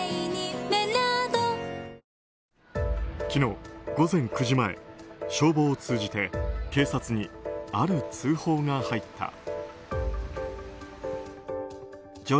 昨日午前９時前消防を通じて警察にある通報が入った。